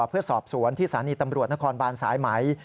เพื่อสอบสวนที่สถานีตำรวจนครบานสายไหม